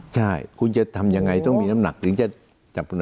ใช่คุณจะทำยังไงต้องมีน้ำหนักถึงจะจับ